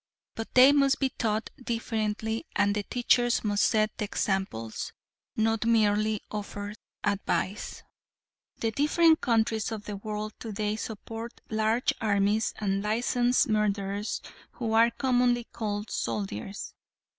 But they must be taught differently and the teachers must set the examples, not merely offer advice. The different countries of the world today support large armies of licensed murderers who are commonly called soldiers.